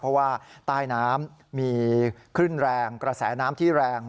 เพราะว่าใต้น้ำมีคลื่นแรงกระแสน้ำที่แรง